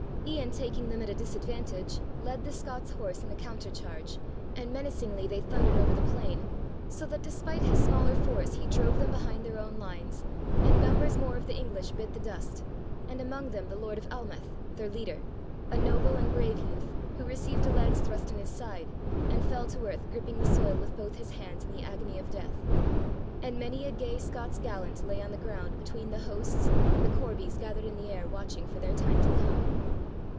Ian taking them at a disadvantage led the Scots' horse in a counter charge and menacingly they thundered over the plain, so that despite his smaller force he drove them behind their own lines and numbers more of the English bit the dust and among them the Lord of Almouth, their leader, a noble and brave youth who received a lance thrust in his side and fell to earth gripping the soil with both his hands in the agony of death. And many a gay Scots gallant lay on the ground between the hosts and the corbies gathered in the air watching for their time to come.